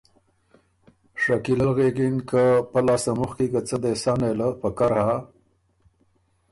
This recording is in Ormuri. شکیلۀ ل غوېکِن که پۀ لاسته مُخکی که څۀ دې سَۀ نېله پکر هۀ